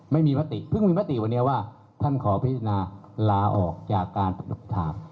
ไม่มีมติเพิ่งมีมติวันนี้ว่าท่านขอพิจารณาลาออกจากการประหลบทาง